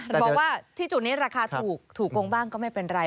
บอกว่าที่จุดนี้ราคาถูกโกงบ้างก็ไม่เป็นไร